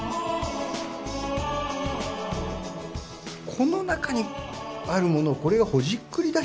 この中にあるものをこれがほじくり出してるんだみたいな。